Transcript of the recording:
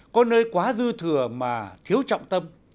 có nơi quá dư thừa mà thiếu trọng tâm